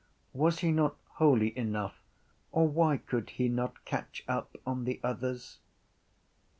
Was he not holy enough or why could he not catch up on the others?